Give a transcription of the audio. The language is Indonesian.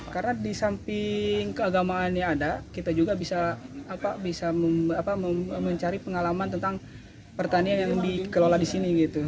karena di samping keagamaan yang ada kita juga bisa mencari pengalaman tentang pertanian yang lebih kelola di sini